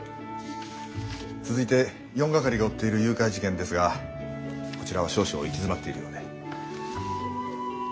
続いて４係が追っている誘拐事件ですがこちらは少々行き詰まっているようで。